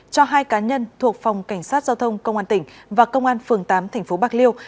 cho hai cá nhân thuộc phòng cảnh sát giao thông công an tỉnh và công an phường tám tp bạc liêu